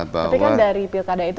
tapi kan dari pilkada itu